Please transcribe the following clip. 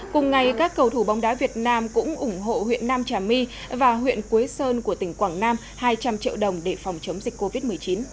cùng ngày các cầu thủ bóng đá việt nam cũng ủng hộ huyện nam trà my và huyện quế sơn của tỉnh quảng nam hai trăm linh triệu đồng để phòng chống dịch covid một mươi chín